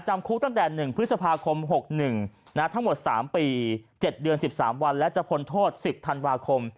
จำคุกตั้งแต่๑พฤษภาคม๖๑ทั้งหมด๓ปี๗เดือน๑๓วันและจะพ้นโทษ๑๐ธันวาคม